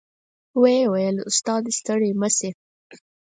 وې ویل استاد ه ستړی مه شې.